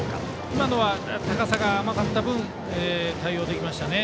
今のは高さが甘かった分対応できましたね。